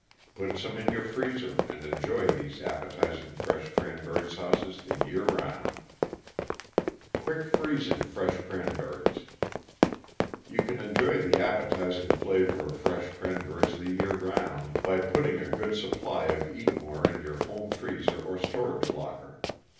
Put some in your freezer and enjoy these appetizing fresh cranberry sauces the year round. Quick Freezing Fresh Cranberries You can enjoy the appetizing flavor of fresh cranberries the year round by putting a good supply of Eatmor in your home freezer or storage locker.